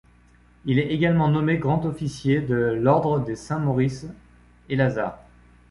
Il est également nommé grand officier de l'Ordre des Saints-Maurice-et-Lazare.